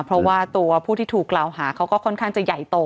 เพราะว่าตัวผู้ที่ถูกกล่าวหาเขาก็ค่อนข้างจะใหญ่โต